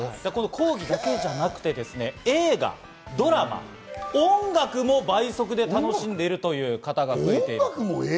講義だけではなくて、映画、ドラマ、音楽も倍速で楽しんでいるという方が増えていると。